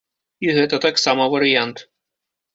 І гэта таксама варыянт.